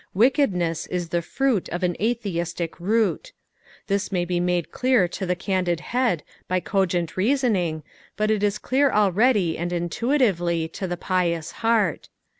Wickedness is the fruit of an utheistic root. Thia may be made clear to the candid head by cogent reasoning, but it is clear already and intuitively to the pious heart.